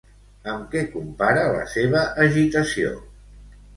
Amb què compara la seva agitació?